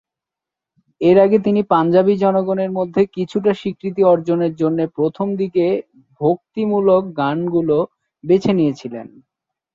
এর আগে তিনি পাঞ্জাবি জনগণের মধ্যে কিছুটা স্বীকৃতি অর্জনের জন্য প্রথম দিকে ভক্তিমূলক গানগুলি বেছে নিয়েছিলেল।